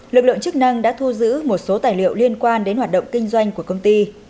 lực lượng chức năng đã thu giữ một số tài liệu liên quan đến hoạt động kinh doanh của công ty